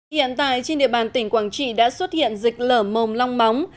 hiện tại trên địa bàn tỉnh quảng trị đã xuất hiện dịch lở mồm long móng